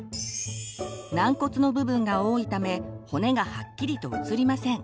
軟骨の部分が多いため骨がはっきりと写りません。